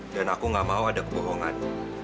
dan aku nggak mau ada kebohongan